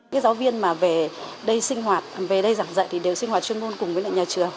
các giáo viên về đây giảng dạy đều sinh hoạt chuyên môn cùng với nhà trường